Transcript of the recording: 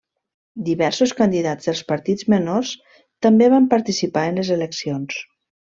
Diversos candidats dels partits menors també van participar en les eleccions.